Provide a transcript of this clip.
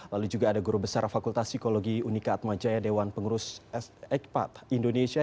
lalu juga ada guru besar fakultas psikologi unika atmajaya dewan pengurus ekpat indonesia